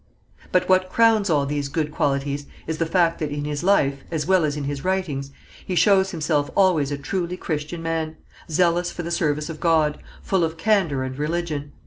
"But what crowns all these good qualities is the fact that in his life, as well as in his writings, he shows himself always a truly Christian man, zealous for the service of God, full of candour and religion.